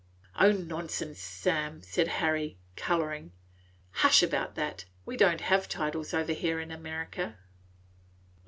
"O nonsense, Sam!" said Harry, coloring. "Hush about that! We don't have titles over here in America."